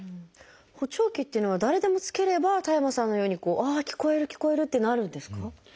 補聴器っていうのは誰でも着ければ田山さんのように「ああ聞こえる聞こえる！」ってなるんですか？